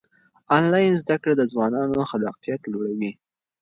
آنلاین زده کړه د ځوانانو خلاقیت لوړوي.